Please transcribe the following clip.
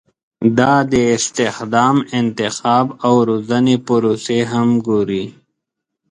دا د استخدام، انتخاب او روزنې پروسې هم ګوري.